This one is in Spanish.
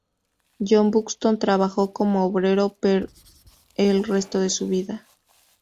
John Buxton trabajó como obrero por el resto de su vida.